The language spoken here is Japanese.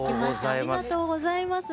おめでとうございます。